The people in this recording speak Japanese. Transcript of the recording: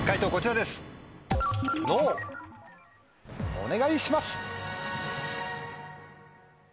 お願いします。